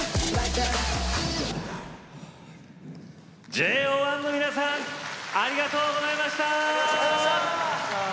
ＪＯ１の皆さんありがとうございました。